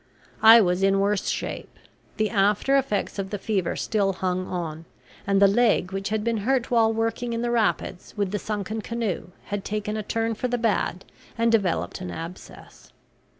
I was in worse shape. The after effects of the fever still hung on; and the leg which had been hurt while working in the rapids with the sunken canoe had taken a turn for the bad and developed an abscess.